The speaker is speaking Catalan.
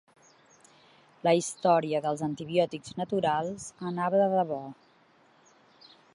La història dels antibiòtics naturals anava de debò.